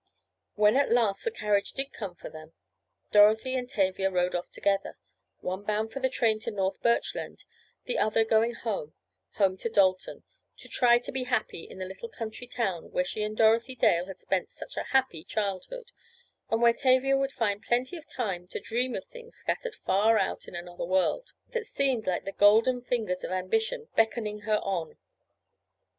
When, at last, the carriage did come for them, Dorothy and Tavia rode off together—one bound for the train to North Birchland, and the other going home—home to Dalton, to try to be happy in the little country town where she and Dorothy Dale had spent such a happy childhood, and where Tavia would find plenty of time to dream of things scattered far out in another world, that seemed like the golden fingers of ambition beckoning her on.